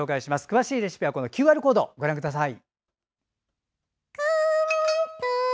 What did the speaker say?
詳しいレシピはＱＲコードご覧ください。